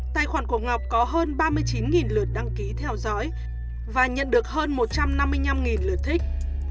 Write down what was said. tài khoản của ngọc có hơn ba mươi chín lượt đăng ký theo dõi và nhận được hơn một trăm năm mươi năm lượt thích